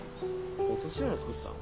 落とし穴作ってたの？